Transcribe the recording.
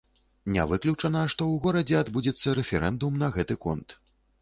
Не выключана, што ў горадзе адбудзецца рэферэндум на гэты конт.